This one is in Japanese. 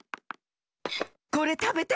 これたべて！